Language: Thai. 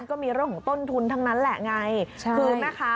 ก้วยเซียลกอเด้งแซ่ปเปอร์ค่ะ